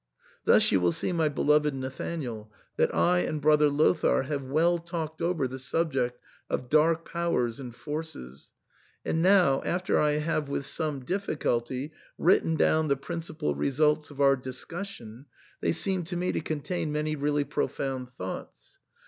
Thus you will see, my beloved Nathanael, that I and brother Lothair have well talked over the subject of dark powers and forces ; and now, after I have with some difficulty written down the principal results of our discussion, they seem to me to contain many really profound thoughts.